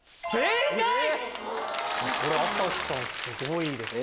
すごいですね。